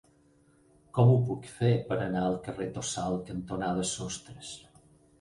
Com ho puc fer per anar al carrer Tossal cantonada Sostres?